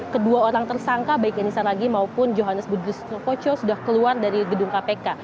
kedua orang tersangka baik enisa raghi maupun johannes budi sustenkocho sudah keluar dari gedung kpk